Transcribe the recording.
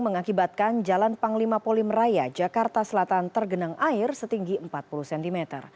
mengakibatkan jalan panglima polimeraya jakarta selatan tergenang air setinggi empat puluh cm